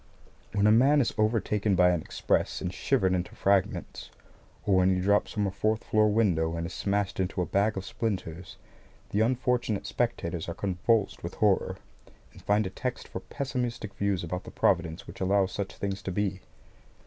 When a man is overtaken by an express and shivered into fragments, or when he drops from a fourth floor window and is smashed into a bag of splinters, the unfortunate spectators are convulsed with horror, and find a text for pessimistic views about the Providence which allows such things to be.